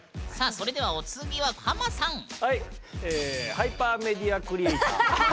「ハイパーメディアクリエイター」。